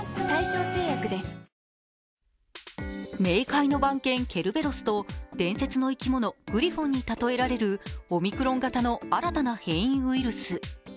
冥界の番犬ケルベロスと伝説の生き物グリフォンに例えられるオミクロン型の新たな変異ウイルス。